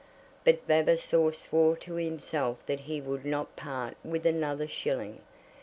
But Vavasor swore to himself that he would not part with another shilling.